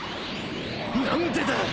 何でだ！？